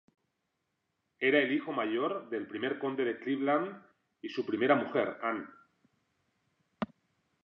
Era el hijo mayor del primer Conde de Cleveland y su primera mujer, Anne.